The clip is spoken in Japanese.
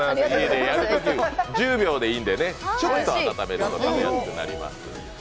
１０秒でいいんで、ちょっと温めると食べやすくなります。